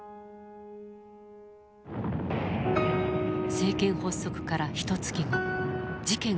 政権発足からひとつき後事件が起きる。